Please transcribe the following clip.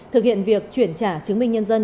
thực hiện việc chuyển trả chứng minh nhân dân